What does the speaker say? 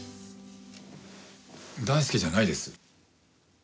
大祐じゃないです。